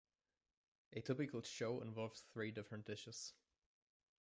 A typical show involves three different dishes.